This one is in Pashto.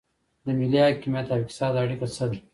د ملي حاکمیت او اقتصاد اړیکه څه ده؟